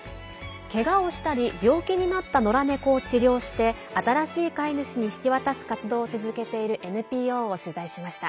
けがをしたり病気になった野良猫を治療して新しい飼い主に引き渡す活動を続けているＮＰＯを取材しました。